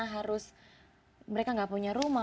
harus mereka nggak punya rumah